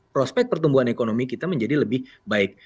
prospek pertumbuhan ekonomi kita menjadi lebih baik